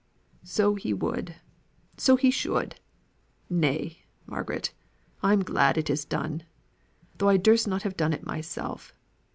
"So he would; so he should! Nay, Margaret, I'm glad it is done, though I durst not have done it myself.